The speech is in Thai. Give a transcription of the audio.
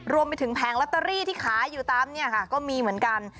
รวมไปถึงแผงลอตเตอรี่ที่ขายอยู่ตามเนี่ยค่ะก็มีเหมือนกัน